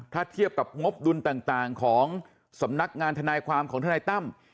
ถ้าเทียบกับงบดุลต่างของสำนักงานทนายความของทนายตั้ม